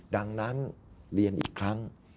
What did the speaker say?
ดังนั้นเรียนอีกครั้ง